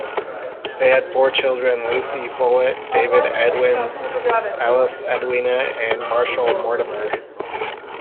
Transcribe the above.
They had four children: Lucy Follett, David Edwin, Alice Edwina and Marshall Mortimer.